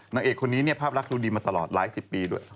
นางเอกคนนี้เนี่ยภาพรักดูดีมาตลอดหลายสิบปีด้วย